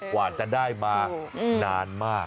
กว่าจะได้มานานมาก